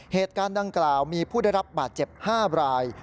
เหตุการณ์ดังกล่าวมีผู้ได้รับบาดเจ็บ๕ราย